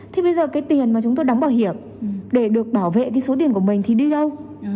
thế bây giờ cái tiền mà chúng tôi đóng bảo hiểm để được bảo vệ cái số tiền của mình thì đi đâu